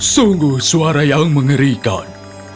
sungguh suara yang mengerikan